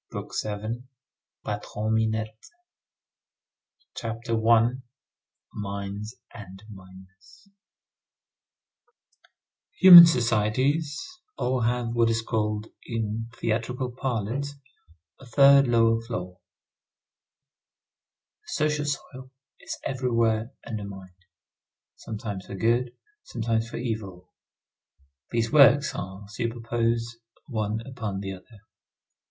BOOK SEVENTH—PATRON MINETTE CHAPTER I—MINES AND MINERS Human societies all have what is called in theatrical parlance, a third lower floor. The social soil is everywhere undermined, sometimes for good, sometimes for evil. These works are superposed one upon the other.